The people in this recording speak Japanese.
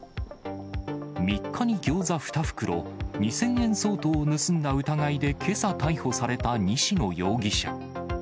３日にギョーザ２袋２０００円相当を盗んだ疑いで、けさ逮捕された西野容疑者。